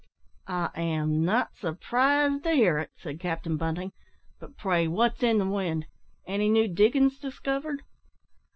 "I am not surprised to hear it," said Captain Bunting; "but pray what's i' the wind? Any new diggin's discovered?"